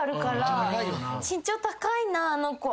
「身長高いなあの子。